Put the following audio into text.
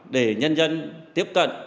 để nhân dân tiếp cận